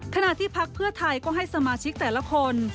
ขณะที่พักเพื่อไทยก็ให้สมาชิกแต่ละคน